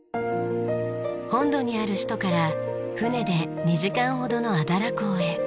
本土にある首都から船で２時間ほどのアダラ港へ。